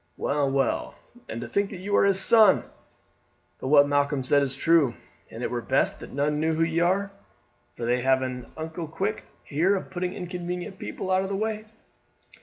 Well, well, and to think that you are his son! But what Malcolm said is true, and it were best that none knew who ye are, for they have an unco quick way here of putting inconvenient people out of the way."